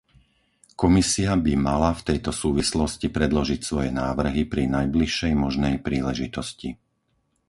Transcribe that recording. Komisia by mala v tejto súvislosti predložiť svoje návrhy pri najbližšej možnej príležitosti.